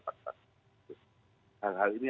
empat tahun itu hal hal ini